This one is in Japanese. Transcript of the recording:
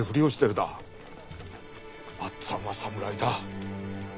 マっつぁんは侍だ。